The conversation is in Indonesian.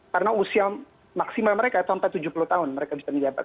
karena usia maksimal mereka sampai tujuh puluh tahun mereka bisa menjabat